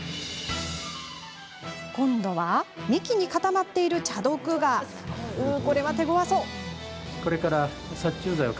今度は、幹に固まっているチャドクガ、これは手ごわそう。